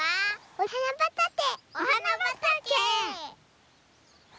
おはなばたけ！